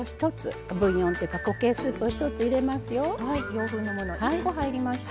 洋風のもの１コ入りました。